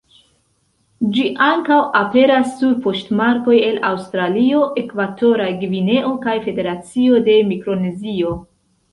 Ĝi ankaŭ aperas sur poŝtmarkoj el Aŭstralio, Ekvatora Gvineo kaj Federacio de Mikronezio.